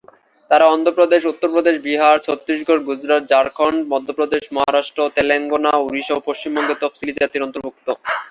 তারা অন্ধ্রপ্রদেশ, উত্তরপ্রদেশ, বিহার, ছত্তিশগড়, গুজরাট, ঝাড়খণ্ড, মধ্যপ্রদেশ, মহারাষ্ট্র, তেলেঙ্গানা, ওড়িশা ও পশ্চিমবঙ্গে তফসিলি জাতির অন্তর্ভুক্ত।